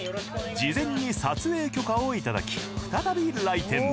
事前に撮影許可をいただき再び来店。